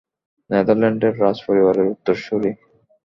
নেদারল্যান্ডের রাজপরিবারের উত্তরসূরি।